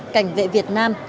cảnh vệ việt nam